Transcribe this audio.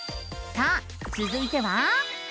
さあつづいては。